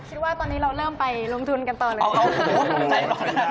คิดว่าตอนนี้เราเริ่มไปลงทุนกันต่อเลยค่ะ